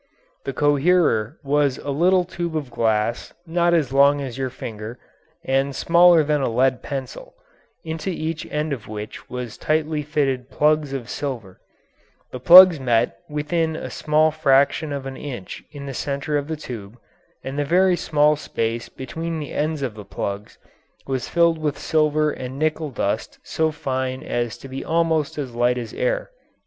The coherer was a little tube of glass not as long as your finger, and smaller than a lead pencil, into each end of which was tightly fitted plugs of silver; the plugs met within a small fraction of an inch in the centre of the tube, and the very small space between the ends of the plugs was filled with silver and nickel dust so fine as to be almost as light as air.